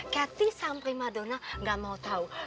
caty sama prima donna gak mau tau